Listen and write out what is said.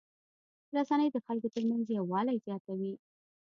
رسنۍ د خلکو ترمنځ یووالی زیاتوي.